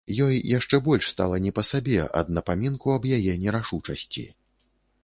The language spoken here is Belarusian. Ёй яшчэ больш стала не па сабе ад напамінку аб яе нерашучасці.